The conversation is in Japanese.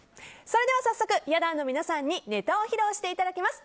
それでは早速、や団の皆様にネタを披露していただきます。